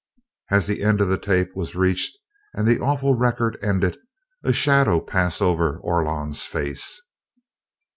As the end of the tape was reached and the awful record ended, a shadow passed over Orlon's face.